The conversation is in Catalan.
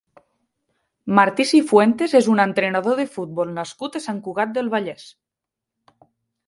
Martí Cifuentes és un entrenador de futbol nascut a Sant Cugat del Vallès.